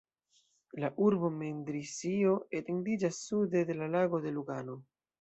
La urbo mendrisio etendiĝas sude de la Lago de Lugano.